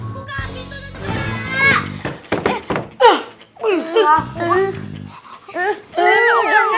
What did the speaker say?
buka pintu tentu saja